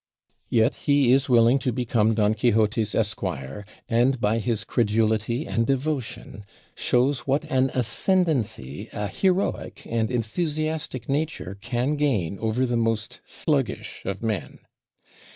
Yet he is willing to become Don Quixote's esquire, and by his credulity and devotion shows what an ascendency a heroic and enthusiastic nature can gain over the most sluggish of men.